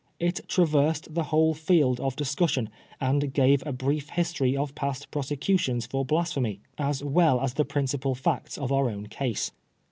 It traversed the whole field of discussion, and gave a brief history of past prosecutions for Blasphemy, as well as the principal facts of our own case.